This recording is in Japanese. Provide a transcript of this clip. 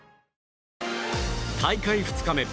大会２日目。